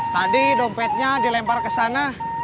tadi dompetnya dilempar kesana